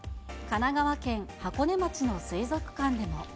神奈川県箱根町の水族館でも。